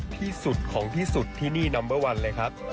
ที่สุดของที่สุดที่นี่นัมเบอร์วันเลยครับ